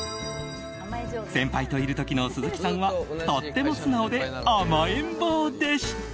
先輩といる時の鈴木さんはとっても素直で甘えん坊でした。